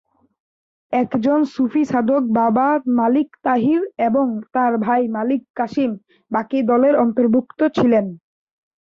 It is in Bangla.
একজন সূফী সাধক বাবা মালিক তাহির এবং তার ভাই মালিক কাসিম বাকী দলের অন্তর্ভুক্ত ছিলেন।